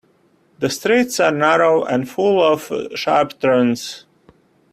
The streets are narrow and full of sharp turns.